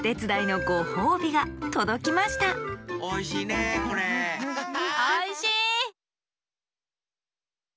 おいしい！